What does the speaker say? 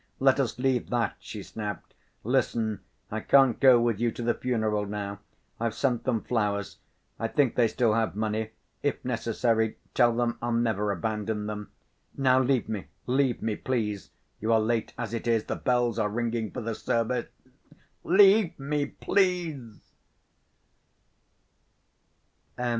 Let us leave that," she snapped. "Listen: I can't go with you to the funeral now. I've sent them flowers. I think they still have money. If necessary, tell them I'll never abandon them.... Now leave me, leave me, please. You are late as it is—the bells are ringing for the service.... Leave me, please!"